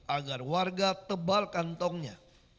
agar warga tebal kantongnya